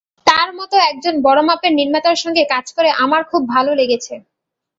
তাঁর মতো একজন বড়মাপের নির্মাতার সঙ্গে কাজ করে আমার খুব ভালো লেগেছে।